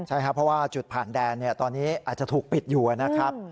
ใช่ครับเพราะว่าจุดผ่านแดนตอนนี้อาจจะถูกปิดอยู่นะครับ